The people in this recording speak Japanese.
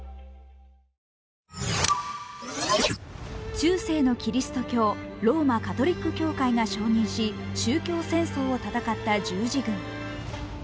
中世のキリスト教ローマ・カトリック教会が承認し宗教戦争を戦った十字軍。